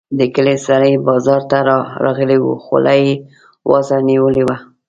د کلي سړی بازار ته راغلی وو؛ خوله يې وازه نيولې وه.